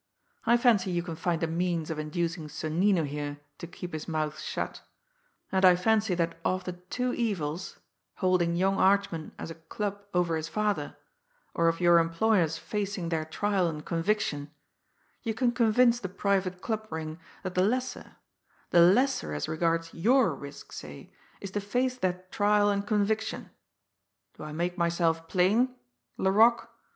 I fancy you can find a means of inducing Sonnino here to keep his mouth shut; and I fancy that of the two evils holding young Archman as a club over his father, or of your employers facing their trial and conviction you can convince the 'Private Club Ring' that the lesser, the lesser as regards your risk, say, is to face that trial and conviction. Do I make myself plain Laroque?